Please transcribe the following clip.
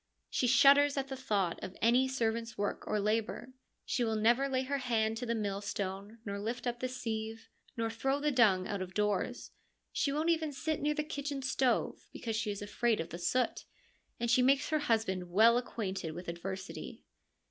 She shudders at the thought of any servant's work or labour. She will never lay her hand to the millstone, nor lift up the sieve, nor throw the dung out of doors : she won't even sit near the kitchen stove, because she is afraid of the soot, and she makes her husband well acquainted with adversity.